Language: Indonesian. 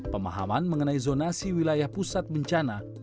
pemahaman mengenai zonasi wilayah pusat bencana